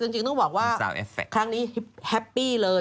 จริงต้องบอกว่าครั้งนี้แฮปปี้เลย